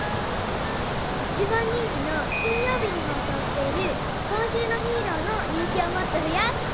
一番人気の金よう日に放送している「今週のヒーロー」の人気をもっとふやす！